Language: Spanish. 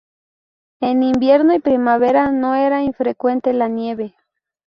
En invierno y primavera no era infrecuente la nieve.